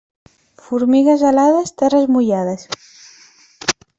Formigues alades, terres mullades.